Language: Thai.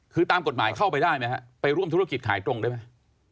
คือตามกฎหมายเข้าไปได้ไหมฮะไปร่วมธุรกิจขายตรงได้ไหม